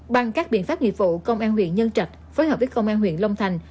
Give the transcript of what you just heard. bằng các biện pháp nghiệp vụ công an huyện nhân trạch phối hợp với công an huyện long thành